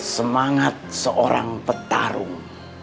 semangat seorang petarung